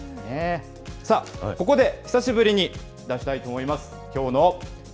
さあ、ここで久しぶりに出したいと思います。